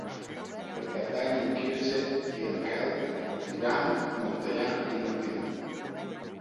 Per Cap d'Any en Quirze i en Quel iran a Montellà i Martinet.